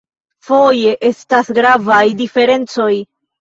Foje estas gravaj diferencoj.